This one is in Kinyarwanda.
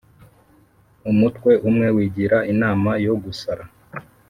umutwe umwe wigira inama yogusara